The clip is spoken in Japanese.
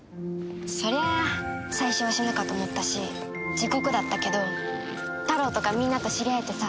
そりゃあ最初は死ぬかと思ったし地獄だったけどタロウとかみんなと知り合えてさ。